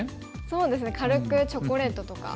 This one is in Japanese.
そうですね軽くチョコレートとか。